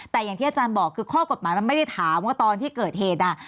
แต่อย่างที่อาจารย์บอกคือข้อกฎหมายมันไม่ได้ถามว่าตอนที่เกิดเหตุ